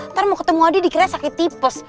ntar mau ketemu adi dikirain sakit tipus